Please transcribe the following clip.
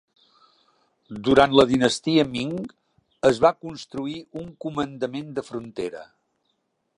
Durant la dinastia Ming, es va construir un comandament de frontera.